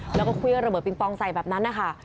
แล้วก็เครื่องระเบิงปองใส่แบบนั้นนะคะ